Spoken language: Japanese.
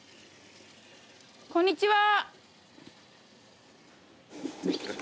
こんにちは。